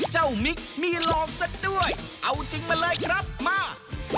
เจ้ามิ๊กมีหลอกสัตว์ด้วยเอาจริงมาเลยครับมา